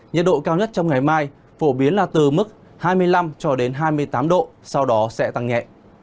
nhiệt độ cao nhất trong ngày mai phổ biến là từ mức hai mươi năm cho đến hai mươi tám độ sau đó sẽ tăng nhẹ